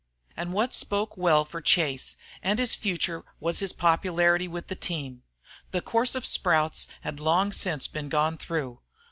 And what spoke well for Chase and his future was his popularity with the team. The "course of sprouts" had long since been gone through.